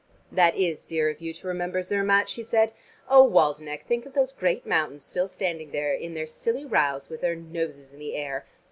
"That is dear of you to remember Zermatt," she said. "Oh, Waldenech, think of those great mountains still standing there in their silly rows with their noses in the air.